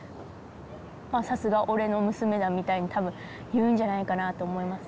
さすが俺の娘だみたいに多分言うんじゃないかなと思いますね。